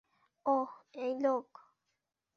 ওহ, এই লোক?